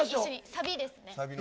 サビですね。